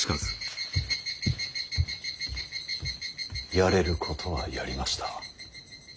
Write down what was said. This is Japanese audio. やれることはやりました。